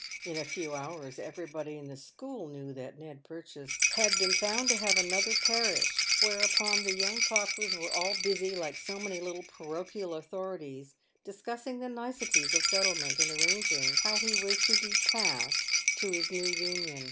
In a few hours everybody in the school knew that Ned Purchase had been found to have another parish, whereupon the young paupers were all busy, like so many little parochial authorities, discussing the niceties of settlement, and arranging how he was to be " passed" to his new union.